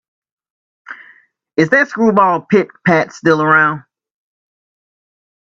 Is that screwball Pit-Pat still around?